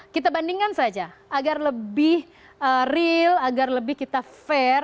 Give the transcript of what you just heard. kita bandingkan saja agar lebih real agar lebih kita fair